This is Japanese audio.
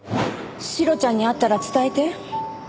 シロちゃんに会ったら伝えて。